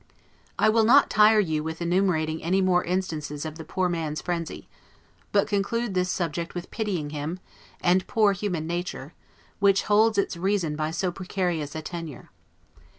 I will not tire you with enumerating any more instances of the poor man's frenzy; but conclude this subject with pitying him, and poor human nature, which holds its reason by so precarious a tenure.